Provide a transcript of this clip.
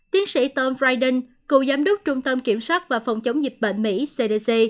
tiến sĩ tom fridan cựu giám đốc trung tâm kiểm soát và phòng chống dịch bệnh mỹ cdc